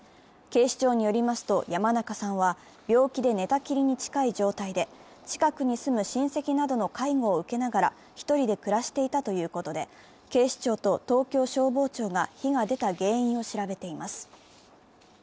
警視庁によりますと、山中さんは病気で寝たきりに近い状態で、近くに住む親戚などの介護を受けながら１人で暮らしていたということで、警視庁と東京消防庁が火が出た原因を調べています。